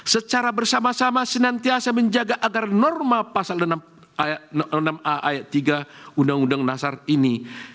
secara bersama sama senantiasa menjaga agar norma pasal enam a ayat tiga undang undang dasar ini